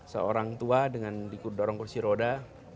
seorang tua dengan di dorong kursi roda